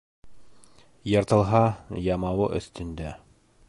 Йыртылһа, ямауы өҫтөндә.